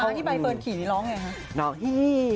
มารับที่ใบเฟิร์นขี่นี่ร้องไงคะ